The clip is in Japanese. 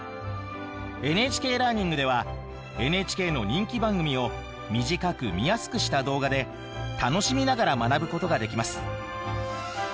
ＮＨＫラーニングではＮＨＫの人気番組を短く見やすくした動画で楽しみながら学ぶことができます。